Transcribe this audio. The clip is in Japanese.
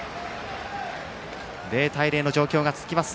０対０の状況が続きます。